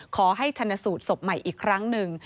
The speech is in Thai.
ชนสูตรศพใหม่อีกครั้งหนึ่ง